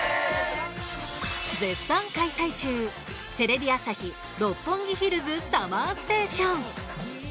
絶賛開催中テレビ朝日・六本木ヒルズＳＵＭＭＥＲＳＴＡＴＩＯＮ。